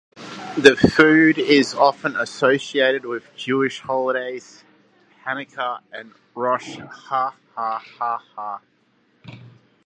This food is often associated with the Jewish holidays Hanukkah and Rosh Hashanah.